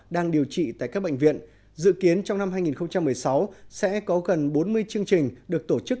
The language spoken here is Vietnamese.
đang điều trị tại các bệnh viện dự kiến trong năm hai nghìn một mươi sáu sẽ có gần bốn mươi chương trình được tổ chức